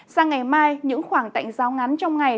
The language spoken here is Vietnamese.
sang ngày mai những khoảng tạnh giáo ngắn trong ngày